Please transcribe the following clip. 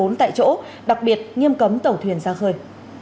án bốn tại chỗ đặc biệt nghiêm cấm tẩu thuyền ra khơi